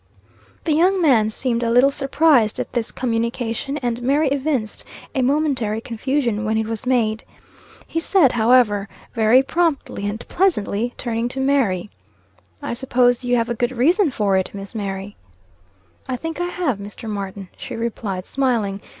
The young man seemed a little surprised at this communication, and Mary evinced a momentary confusion when it was made. He said, however, very promptly and pleasantly, turning to Mary "I suppose you have a good reason for it, Miss Mary." "I think I have, Mr. Martin," she replied, smiling.